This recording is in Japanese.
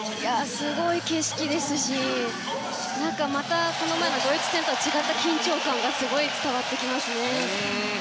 すごい景色ですしまたこの前のドイツ戦とは違った緊張感がすごい伝わってきますね。